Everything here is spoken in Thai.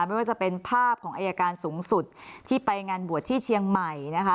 ไม่ว่าจะเป็นภาพของอายการสูงสุดที่ไปงานบวชที่เชียงใหม่นะคะ